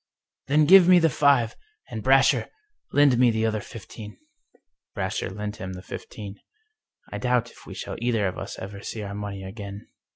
" Then give me the five. And, Brasher, lend me the other fifteen." Brasher lent him the fifteen. I doubt if we shall either of us ever see our money again.